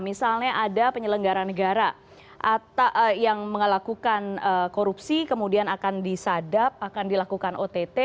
misalnya ada penyelenggara negara yang melakukan korupsi kemudian akan disadap akan dilakukan ott